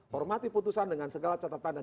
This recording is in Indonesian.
hormati putusan dengan segala catatan dan